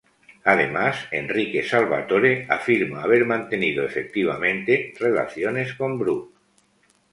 Además, Enrique Salvatore afirma haber mantenido efectivamente relaciones con Brooke.